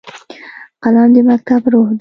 قلم د مکتب روح دی